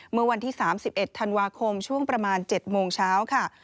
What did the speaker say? เมื่อวันที่๓๑ธันวาคมช่วงประมาณ๗โมงเช้าค่ะ